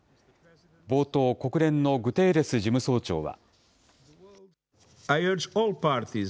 冒頭、国連のグテーレス事務総長は。